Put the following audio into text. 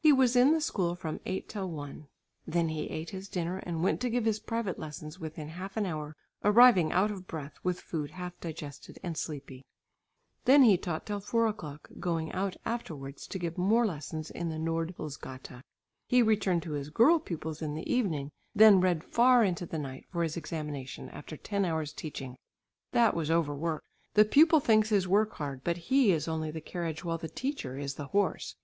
He was in the school from eight till one; then he ate his dinner and went to give his private lessons within half an hour, arriving out of breath, with food half digested, and sleepy; then he taught till four o'clock going out afterwards to give more lessons in the Nordtullsgata; he returned to his girl pupils in the evening, and then read far into the night for his examination after ten hours' teaching. That was over work. The pupil thinks his work hard, but he is only the carriage while the teacher is the horse.